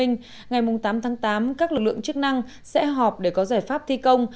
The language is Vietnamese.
ngày tám tháng tám các lực lượng chức năng sẽ họp để có giải pháp thi công